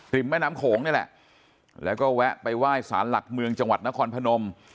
แม่น้ำโขงนี่แหละแล้วก็แวะไปไหว้สารหลักเมืองจังหวัดนครพนม